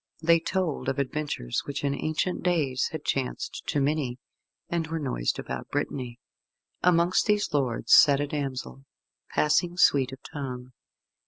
They told of adventures which in ancient days had chanced to many, and were noised about Brittany. Amongst these lords sat a damsel, passing sweet of tongue.